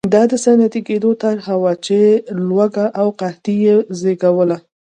دا د صنعتي کېدو طرحه وه چې لوږه او قحطي یې وزېږوله.